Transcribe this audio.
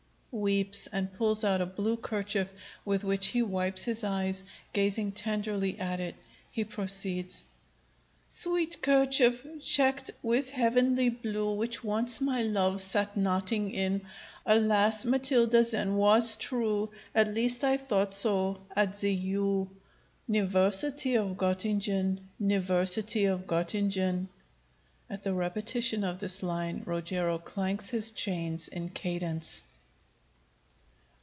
[_Weeps and pulls out a blue kerchief, with which he wipes his eyes; gazing tenderly at it, he proceeds: _] Sweet kerchief, checked with heavenly blue, Which once my love sat knotting in! Alas! Matilda then was true! At least I thought so at the U niversity of Gottingen, niversity of Gottingen. [_At the repetition of this line Rogero clanks his chains in cadence.